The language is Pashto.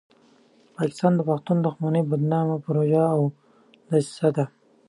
پاکستان د پښتون دښمنۍ بدنامه پروژه او دسیسه ده.